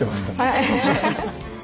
はい。